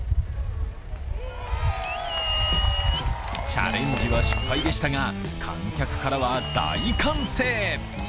チャレンジは失敗でしたが観客からは大歓声。